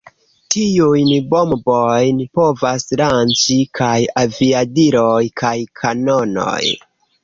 Tiujn bombojn povas lanĉi kaj aviadiloj kaj kanonoj.